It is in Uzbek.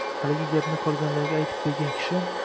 Haligi gapni qolganlarga aytib bergan kishi: